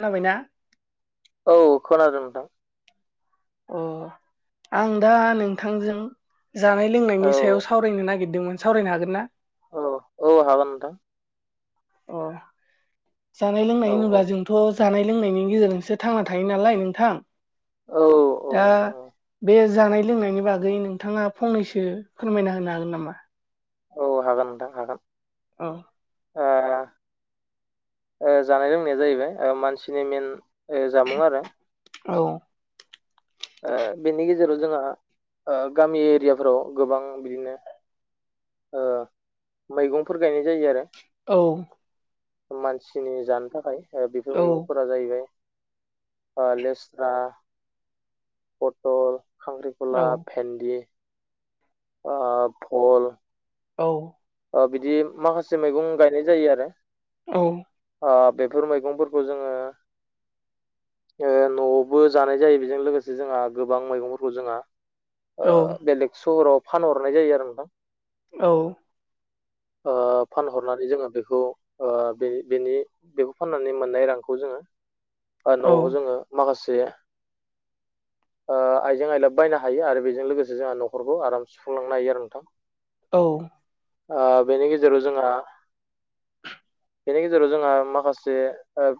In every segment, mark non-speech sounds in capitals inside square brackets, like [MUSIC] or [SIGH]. खोनाबायना? औ खोनादों नोंथां। अ आं दा नोंथांजों जानाय औ लोंनायनि सायाव सावरायनो नागिरदोंमोन सावरायनो हागोन ना? औ औ हागोन नोंथां। अ जानाय औ लोंनाय औ होनोब्ला जोंथ' जानाय लोंनायनि गेजेरजोंसो थांना थायो नालाय नोंथां। औ औ। ओ। नोंथां औ बे जानाय लोंनायनि बागै नोंथाङा फंनैसो फोरमायना होनो हागोन नामा? औ हागोन नोंथां हागोन। अ। ओ ओ जानाय लोंनाया जाहैबाय ओ मानसिनि मेन ओ जामुं आरो। औ ओ। ओ गामि एरियाफोराव गोबां बिदिनो ओ मैगंफोर गायनाय जायो आरो। औ। मानसिनि जानो थाखाय ओ बेफोर औ मैगंफोरा जाहैबाय। ओ लेस्रा फटल, औ खांख्रिखला, भेन्दि, ओ फल। औ। ओ बिदि माखासे मैगं गायनाय जायो आरो औ। ओ बेफोर मैगंफोरखौ जोङो ओ नआवबो जानाय जायो बेजों लोगोसे जोंहा गोबां मैगंफोरखौ जोंहा औ ओ बेलेग सहराव फानहरनाय जायो आरो नोंथां। औ। [INAUDIBLE] ओ फानहरनानै जोङो बेखौ ओ बे बेनि बेखौ फाननानै मोननाय रांखौ जोङो औ नआव जोङो माखासे [INAUDIBLE] ओ आइजें आइला बायनो हायो आरो बेजों लोगोसे जोंहा नखरखौ आराम सुफुंलांनो हायो आरो नोंथां। औ। ओ बेनि गेजेराव जोंहा बेनि गेजेराव जोंहा माखासे ओ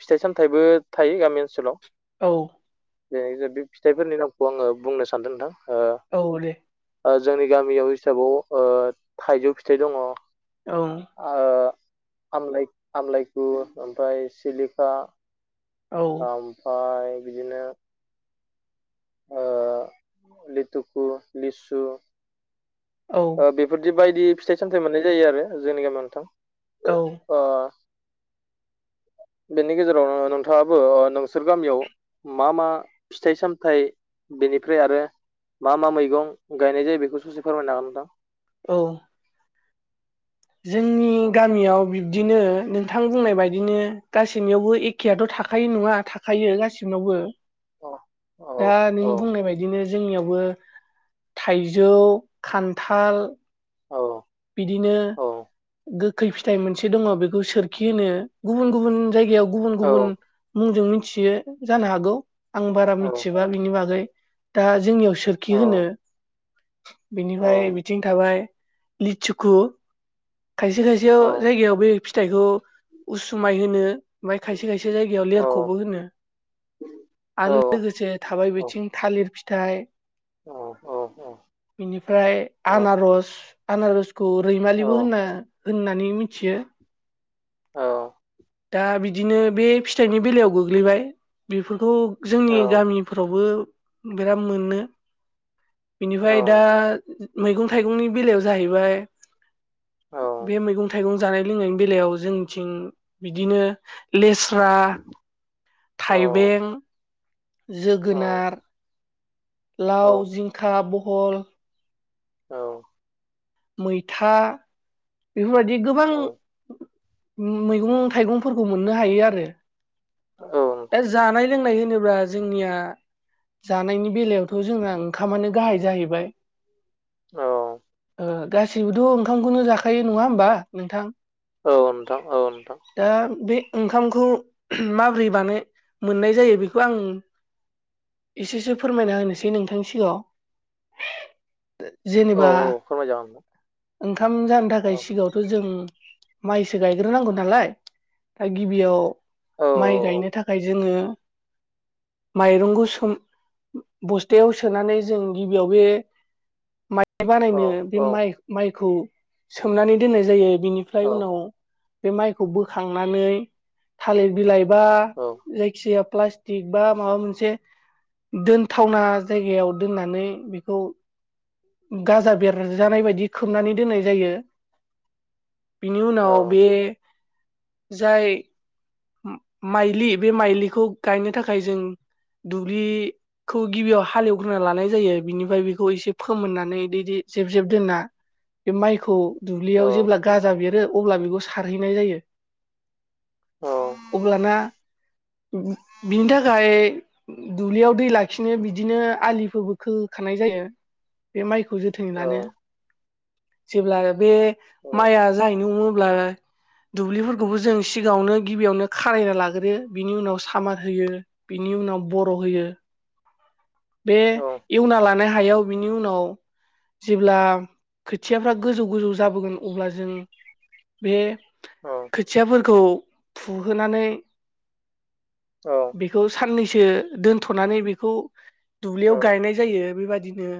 फिथाइ सामथाइबो थायो गामि ओनसोलाव। औ। बेजोब बे फिथाइफोरनि नामखौ आङो बुंनो सानदों नोंथां ओ औ दे। ओ जोंनि गामियाव हिसाबाव थाइजौ फिथाइ दङ। औ। आमलाय आमलायगु ओमफाय सिलिखा ओमफाय बिदिनो ओ लिटुखु, लिसु औ ओ बेफोरदि बायदि फिथाइ सामथाइ मोननाय जायो आरो जोंनि गामियाव औ नोंथां। ओ [INAUDIBLE] बेनि गेजेरावनो नोंथाङाबो नोंसोर गामियाव मा मा फिथाइ सामथाइ बेनिफ्राय आरो मा मा मैगं गायनाय जायो बेखौ ससे फोरमायनो हागोन नोंथां? औ। जोंनि गामियाव बि बिदिनो नोंथां बुंनाय बायदिनो गासिनियावबो एखेआथ थाखायो नङा थाखायो गासिनावबो औ दा नों औ बुंनाय बायदिनो जोंनियावबो थाइजौ, खान्थाल बिदिनो औ गोखै फिथाइ मोनसे दङ बेखौ सोरखि होनो। गुबुन गुबुन जायगायाव गुबुन औ गुबुन मुंजों मिथियो जानो हागौ। आं बारा मिथिजोबा बिनि बागै दा जोंनियाव औ सोरखि होनो। बेनिफ्राय बिथिं थाबाय लिसुखु खायसे औ खायसे जायगायाव बे फिथाइखौ उसुमाय होनो ओमफाय खायसे खायसे जायगायाव लेरखबो होनो औ आरो लोगोसे थाबाय बिथिं थालिर फिथाइ औ औ बेनिफ्राय औ आनारस आनारसखौ औ रैमालिबो होनना होननानै मिथियो औ दा बिदिनो बे फिथाइनि बेलायाव गोग्लैबाय बेफोरखौ औ जोंनि गामिफ्रावबो बिराद मोनो औ बेनिफाय दा मैगं थाइगंनि बेलायाव जाहैबाय औ बे मैगं थाइगं जानाय लोंनायनि बेलायाव जोंनिथिं बिदिनो लेस्रा थाइबें औ जोगोनार औ लाव जिंखा बहल औ। मैथा बेफोरबायदि गोबां औ मैगं थाइगंफोरखौ मोननो हायो आरो। दा नोंथां जानाय लोंनाय होनोब्ला जोंनिया जानायनि बेलायावथ' जोंना ओंखामानो गाहाय जाहैबाय। औ। ओ गासैबोथ' ओंखामखौनो जाखायो नङा होमबा नोंथां। औ नोंथां औ नोंथां दा बे ओंखामखौ माबोरै बानाय मोननाय जायो बेखो आं एसेसो फोरमायना होनोसै नोंथांनि सिगाङाव। औ जेनेबा औ फोरमायजागोन नोंथां ओंखाम जानो थाखाय सिगाङावथ' जों माइसो गायग्रोनांगौ नालाय दा गिबियाव औ माइ औ गायनो थाखाय जोङो माइरंखौ सोम बस्थायाव सोनानै जों गिबियाव बे माय औ बानायनो औ बे माइ माइखौ सोमनानै दोननाय जायो। बिनिफ्राय औ उनाव बे माइखौ बोखांनानै थालिर बिलाइ बा औ जायखिाया प्लास्टिक बा माबा मोनसे दोनथावना जायगायाव दोननानै बेखौ गाजा बेरजानाय बायदि खोबनानै दोननाय जायो। बिनि उनाव बे जाय माइलि बे माइलिखौ गायनो थाखाय जों दुब्लि खौ गिबियाव हालेवग्रोना लानाय जायो बिनिफ्राय बेखौ एसे फोमोननानै जेब जेब दोनना बे माइखौ दुब्लियाव जेब्ला गाजा बेरो अब्ला बेखौ सारहैनाय जायो । अब्लाना बिनि थाखाय दुब्लियाव दै लाखिनो बिदिनो आलिफोरबो खो खानाय जायो बे माइ खौ जोथोन लानो जेब्ला बे माइआ गाहैनो हमो अब्ला दुब्लिफोरखौबो जों सिगाङावनो गिबियावनो खारायना लाग्रोयो बिनि उनाव सामार होयो बिनि उनाव बर' होयो बे औ एवना लानाय हायाव बिनि उनाव जेब्ला खोथियाफ्रा गोजौ गोजौ जाबोगोन अब्ला जों बे नोंथां औ खोथियाफोरखौ फुहोनानै औ बेखौ साननैसो दोनथ'नानै बेखौ दुब्लियाव गायनाय जायो बेबाय दिनो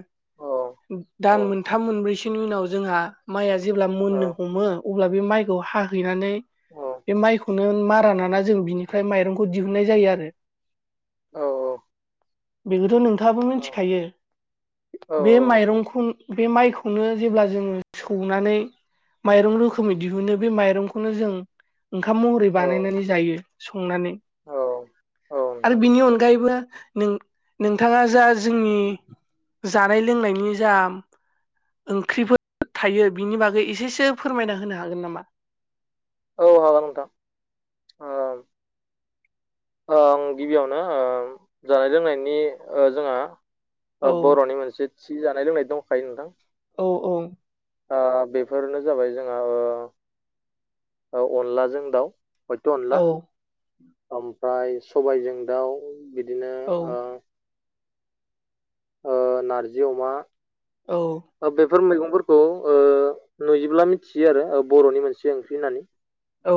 दान मोनथाम मोनब्रैसोनि उनाव जोंहा माइआ जेब्ला मोननो हमो अब्ला बे माइखौ हाहैनानै बे माइखौनो मारा नाना जों बिनिफ्राय माइरंखौ दिहुननाय जायो आरो । [INAUDIBLE] बेखौथ' नोंथाङाबो मिथिखायो बे नोंथां माइरंखौ बे माइखौनो जेब्ला जोङो सौनानै माइरं रोखोमै दिहुनो बे माइरंखौनो जों ओंखाम महरै बानायनानै जायो संनानै। औ आरो बिनि अनगायैबो नों नोंथाङा जा जोंनि जानाय लोंनायनि जा ओंख्रिफोर थायो बिनि बागै एसेसो फोरमायना होनो हागोन नामा? औ हागोन नोंथां आं गिबियावनो जानाय लोंनायनि जोंहा औ बर'नि मोनसे थि जानाय लोंनाय दंखायो नोंथां। औ औ। बेफोरनो जाबाय जोंहा अनलाजों दाउ हयथ' अनला औ ओमफ्राय सबायजों दाउ बिदिनो औ ओ ओ नारजि अमा औ ओ बेफोर मैगंफोरखौ ओ नुयोब्ला मिथियो आरो बर'नि मोनसे ओंख्रि होननानै औ।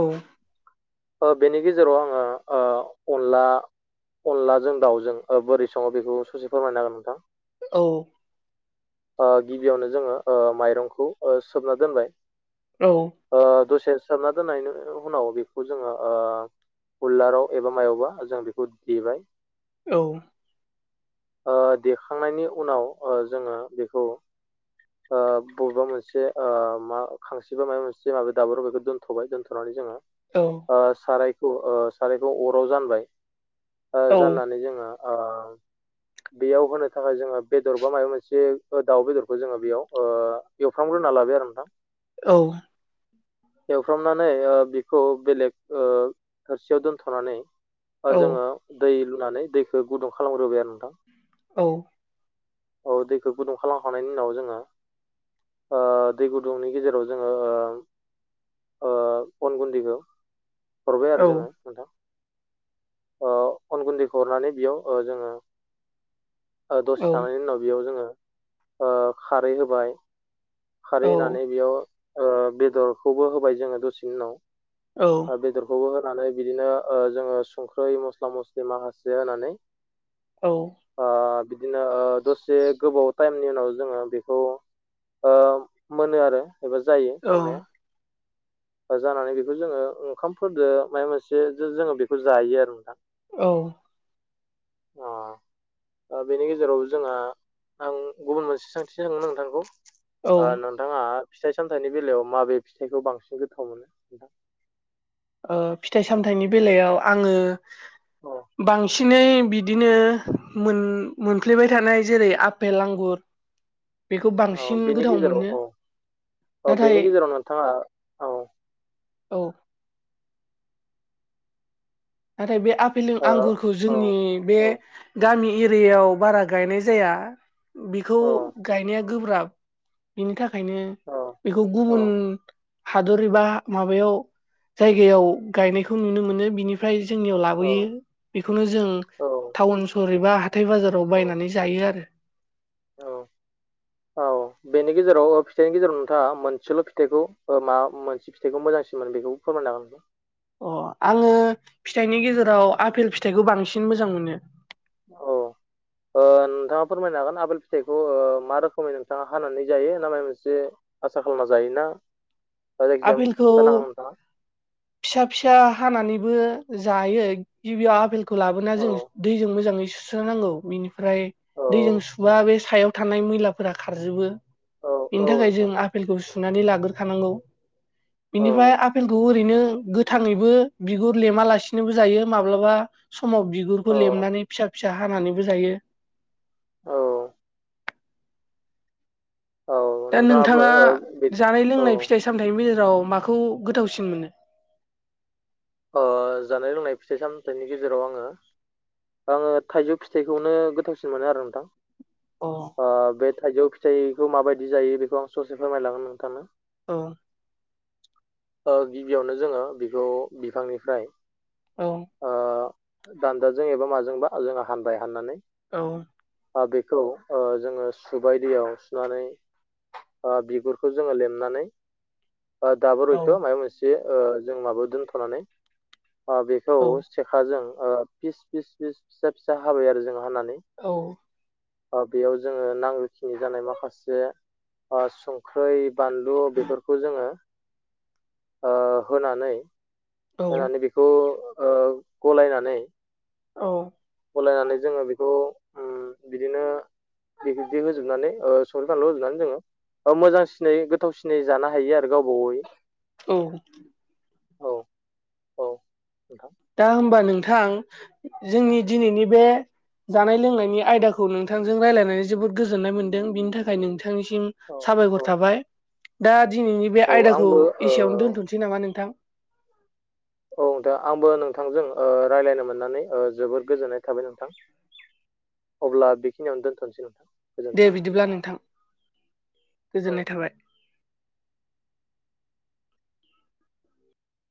बेनि गेजेराव आङो ओ अनला अनलाजों दाउजों बोरै सङो बेखौ ससे फोरमायनो होगोन नोंथां औ ओ गिबियावनो जोङो माइरंखौ सोमना दोनबाय औ ओ दसे सोमना दोननायनि उनाव बेखौ जोङो ओ उललाराव एबा मायावबा जों बेखौ देबाय औ। ओ देखांनायनि उनाव ओ जोङो बेखौ बबेबा मोनसे मा खांसि बा माबा मोनसे माबायाव दाबोराव बेखौ दोनथ'बाय दोनथ'नानै जोङो। औ सारायखौ सारायखौ अराव जानबाय जाननानै जोङो। बेयाव होनो थाखाय जोङो बेदर बा माबा मोनसे दाउ बेदरखौ जोङो बेयाव एवफ्रामग्रोना लाबाय आरो नोंथां। औ। एवफ्रामनानै बेखौ बेलेग थोरसियाव दोनथ'नानै। जोङो दै लुनानै दैखौ गुदुं खालामग्रोबाय आरो नोंथां। औ। औ दैखौ गुदुं खालाम खांनायनि उनाव जोङो। दै गुदुंनि गेजेराव जोङो‌। अन गुन्दैखौ हरबाय आरो जोङो नोंथां। अन गुन्दैखौ हरनानै बेयाव जोङो। दसे थानायनि उनाव बेयाव जोङो खारै होबाय। खारै औ होनानै बेयाव बेदरखौबो होबाय जोङो दसेनि उनाव। ओं बेदरखौबो। होनानै बिदिनो जोङो संख्रि मस्ला मस्लि माखासे होनानै। बिदिनो दसे गोबाव। टाइमनि उनाव जोङो बेखौ मोनो आरो। एबा जायो औ संनाया। जानानै बेखौ जोङो ओंखामफोरजों माबा मोनसे जोङो बेखौ जायो आरो नोंथां। औ। अ बेनि गेजेराव जोंहा आं गुबुन मोनसे सोंथि सोंगोन नोंथांखौ। औ नोंथाङा फिथाइ सामथाइनि बेलायाव माबे फिथाइखौ बांसिन गोथाव मोनो नोंथां। फिथाइ सामथाइनि बेलायाव आङो औ बांसिन बांसिनै बिदिनो मोनफ्लेबाय थानाय जेरै आपेल, आंगुर। बेखौ औ बांसिन बेनि गोथाव गेजेराव मोनो। औ औ नाथाय बेनि गेजेराव नोंथाङा औ। औ नाथाय बे आफेल ओ आंगुरखौ औ जोंनि बे औ गामि एरि औ [INAUDIBLE] थाखायनो बेखौ औ गुबुन हादोर हादोर एबा माबायाव जायगायाव गायनायखौ नुनो मोनो बिनिफ्राय। जोंनि औ लाबोयो बिखौनो जों टाऊन बोरैबा हाथथाय बाजाराव औ बायनानै जायो आरो। औ औ बेनि गेजेराव फिथाइनि गेजेराव नोंथाङा मोनसेल' फिथाइखौ मा मोनसे फिथाइखौ मोजांसिनमोन बेखौ फोरमाय [INAUDIBLE] अ आङो फिथाइनि गेजेराव आफपेल फिथाइखौ बांसिन मोजां मोनो। औ। ओ नोंथाङा फोरमायनो हागोन आबोल फिथाइखौ मा रोखोमै नोंथाङा हानानै जायो नामा मोनसे आसा खालामना जायोना दा जायखिजाया आफपेलखौ खिथानो हागोन नोंथाङा फिसा फिसा हानानैबो जायो गिबियाव आपेलखौ लाबोना औ जों दैजों मोजाङै सु सुस्रोनांगौ बेनिफ्राय औ दैजों सुबा बे सायाव थानाय मैलाफोरा खारजोबो। औ औ बेनि थाखाय जों नोंथां आफपेलखौ सुनानै लाग्रोखानांगौ। औ बेनिफ्राय आफेलखौ ओरैनो गोथाङैबो बिगुर लेमालासिनोबो जायो। माब्लाबा समाव बिगुरखौ औ लेमनानै फिसा फिसा हानानैबो जायो। [INAUDIBLE] औ औ [INAUDIBLE] नोंथाङाबो ओ बे औ दाव माखौ गोथावसिन मोनो। ओ जानाय लोंनाय फिथाइ सामथाइनि गेजेराव आङो आङो थाइजौ फिथाइखौनो गोथावसिन मोनो आरो नोंथां। अ ओ बे थाइजौ फिथाइखौ माबायदि जायो बेखौ आं ससे फोरमायलांनो नोंथांनो औ। ओ गिबियावनो जोङो बेखौ बिफांनिफ्राय औ। ओ दान्दाजों एबा माजोंबा जों हानबाय हाननानै औ। ओ बेखौ ओ जोङो सुबाय दैयाव सुनानै ओ बिगुरखौ जोङो लेमनानै दाबो औ हयथ' माबा मोनसे ओ जों माबा दोनथ'नानै ओ बेखौ सेखाजों फिस फिस फिस फिसा फिसा हाबाय आरो जों हानानै औ। ओ बेयाव जोङो नांनायखिनि जानाय माखासे संख्रै बानलु बेफोरखौ जोङो ओ होनानै होनानैनै बेखौ गलायनानै औ गलायनानै जोङो बेखौ उम बिदिनो बिबायदि होजोबनानै ओ सख्रि फानलौ होजोबनानै जोङो ओ मोजांसिनै गोथावसिनै जानो हायो आरो गावबवै औ। औ औ। नोंथां दा होमबा नोंथां जोंनि दिनैनि बे जानाय लोंनायनि आयदाखौ नोंथांजों रायज्लायनानै जोबोद गोजोननाय मोनदों बिनि थाखाय नोंथां थांनिसिम औ औ साबायखर थाबाय दा दिनैनि बे औ आयदाखौ आंबो ओ एसेयावनो दोनथ'नोसै नामा नोंथां । औ दा आंबो नोंथांजों ओ रायज्लायनो मोननानै ओ जोबोद गोजोननाय थाबाय नोंथां। [INAUDIBLE] अब्ला बेखिनियावनो दोनथ'नोसै नोंथां। दे गोजोन्थों बिदिब्ला नोंथां औ गोजोननाय थाबाय।